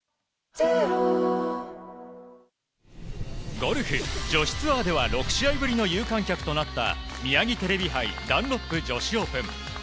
ゴルフ、女子ツアーでは６試合ぶりの有観客となったミヤギテレビ杯ダンロップ女子オープン。